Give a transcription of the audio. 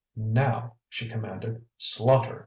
"Now," she commanded, "slaughter!